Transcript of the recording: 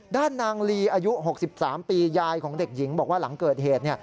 ด้านนางลีอายุ๖๓ปียายของเด็กหญิงบอกว่าหลังเกิดเหตุ